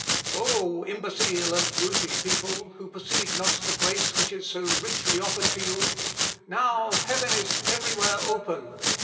"O imbecile and brutish people, who perceive not the grace which is so richly offered to you!... Now heaven is everywhere open!...